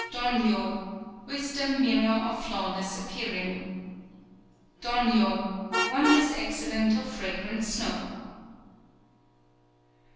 _ Dōnyo, Wisdom Mirror of Flawless Appearing. _Dōnyo, Wondrous Excellence of Fragrant Snow.